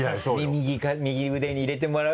右腕に入れてもらう？